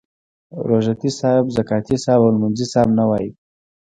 روژه تي صاحب، زکاتې صاحب او لمونځي صاحب نه وایي.